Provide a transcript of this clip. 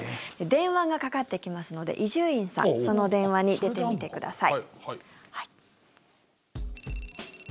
電話がかかってきますので伊集院さんその電話に出てみてください。